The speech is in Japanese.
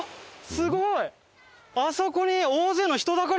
すごい。